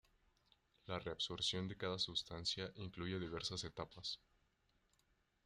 La reabsorción de cada sustancia incluye diversas etapas.